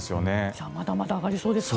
じゃあまだまだ上がりそうですか？